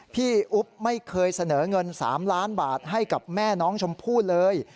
พี่อุ๊บไม่เคยเสนอเงิน๓ล้านบาทให้กับแม่น้องชมพู่เลย